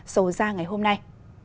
sầu ra ngày hôm nay